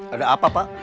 ada apa pak